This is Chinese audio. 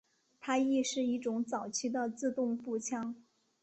它亦是一种早期的自动步枪。